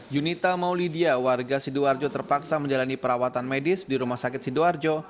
junita maulidia warga sidoarjo terpaksa menjalani perawatan medis di rumah sakit sidoarjo